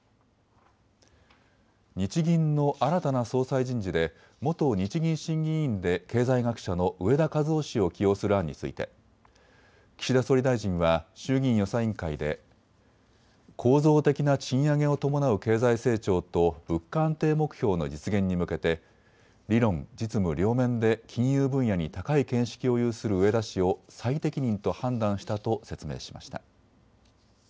日銀の新たな総裁人事で元日銀審議委員で経済学者の植田和男氏を起用する案について岸田総理大臣は衆議院予算委員会で構造的な賃上げを伴う経済成長と物価安定目標の実現に向けて理論・実務両面で金融分野に高い見識を有する植田氏を最適任と判断したと説明しました。